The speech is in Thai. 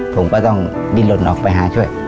ผมก็ต้องดินหล่นออกไปหาช่วย